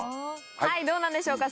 はいどうなんでしょうか？